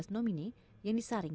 tiga belas nomini yang disaring